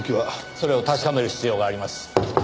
それを確かめる必要があります。